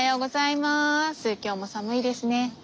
今日も寒いですね。